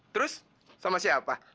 terus sama siapa